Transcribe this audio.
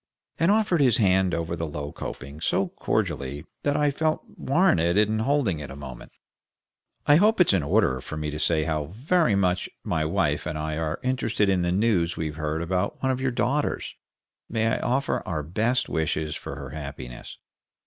and offered his hand over the low coping so cordially that I felt warranted in holding it a moment. "I hope it's in order for me to say how very much my wife and I are interested in the news we've heard about one of your daughters? May I offer our best wishes for her happiness?"